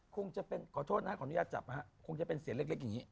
คงจะเป็นขอโทษนะขออนุญาตจับนะฮะคงจะเป็นเสียงเล็กอย่างนี้